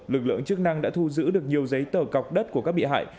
lực lượng chức năng đã thu giữ được nhiều giấy tờ cọc đất của các bị hại